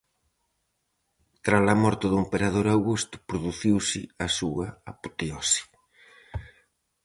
Tras a morte do emperador Augusto produciuse a súa apoteose.